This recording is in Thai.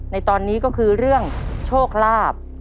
ในตอนนี้ก็คือเรื่องโชคลาภ